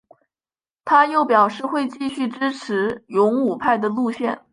他又表示会继续支持勇武派的路线。